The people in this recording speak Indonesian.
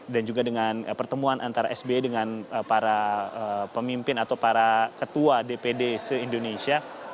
dan juga dengan pertemuan antara sbi dengan para pemimpin atau para ketua dpd se indonesia